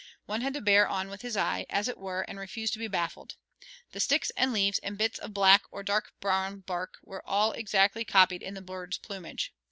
One had to bear on with his eye, as it were, and refuse to be baffled. The sticks and leaves, and bits of black or dark brown bark, were all exactly copied in the bird's plumage.